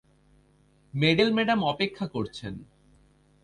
Medal madam অপেক্ষা করছেন।